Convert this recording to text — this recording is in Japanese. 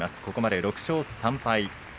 ここまで６勝３敗。